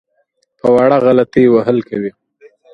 په وړه غلطۍ وهل کوي.